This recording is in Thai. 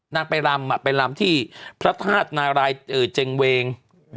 นางไปลำไปลำที่พระธาตุนารายเจงเวง